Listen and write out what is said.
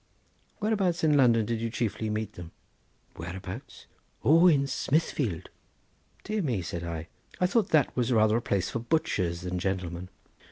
"Whereabouts in London did you chiefly meet them?" "Whereabouts? Oh, in Smithfield." "Dear me!" said I; "I thought that was rather a place for butchers than gentlemen."